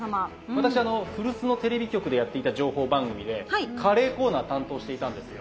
私あの古巣のテレビ局でやっていた情報番組でカレーコーナー担当していたんですよ。